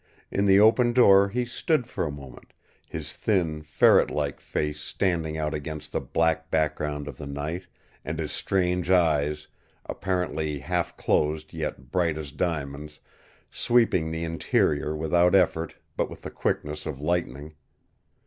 In the open door he stood for a moment, his thin, ferret like face standing out against the black background of the night, and his strange eyes, apparently half closed yet bright as diamonds, sweeping the interior without effort but with the quickness of lightning.